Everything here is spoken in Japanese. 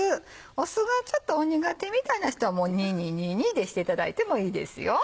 酢がちょっと苦手みたいな人は「２２２２」でしていただいてもいいですよ。